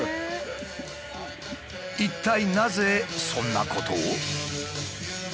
一体なぜそんなことを？